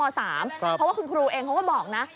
เพราะว่าคุณครูเองเขาก็บอกนะ